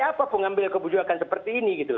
apa pengambil kebijakan seperti ini